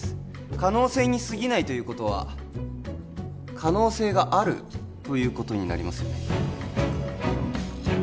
可能性にすぎないということは可能性があるということになりますよね